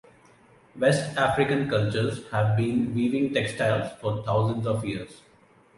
West African cultures have been weaving textiles for thousands of years.